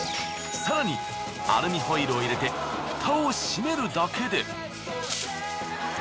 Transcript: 更にアルミホイルを入れてふたを閉めるだけで。